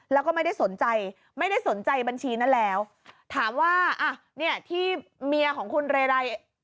แล้วก็ไม่ได้สนใจไม่ได้สนใจบัญชีนั้นแล้วถามว่าอ่ะเนี่ยที่เมียของคุณเรได